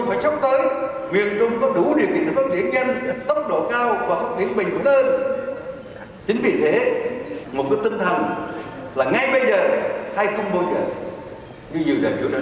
hay không bao giờ như nhiều lần trước đó nào